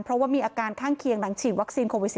เพราะว่ามีอาการข้างเคียงหลังฉีดวัคซีนโควิด๑๙